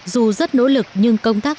dù rất nỗ lực nhưng công tác